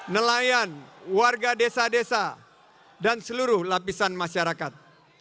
nelayan warga desa desa dan seluruh lapisan masyarakat